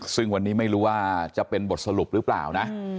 ซึ่งวันนี้ไม่รู้ว่าจะเป็นบทสรุปหรือเปล่านะ